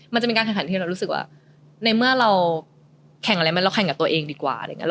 มันจะเป็นการแข่งขันที่เรารู้สึกว่าในเมื่อเราแข่งอะไรเราแข่งกับตัวเองดีกว่า